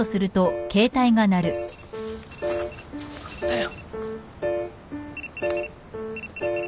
はい。